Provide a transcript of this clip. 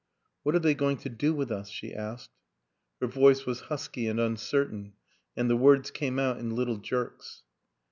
"What are they going to do with us?" she asked. Her voice was husky and uncertain, and the words came out in little jerks.